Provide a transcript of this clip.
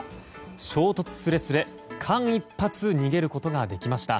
衝突すれすれ間一髪逃げることができました。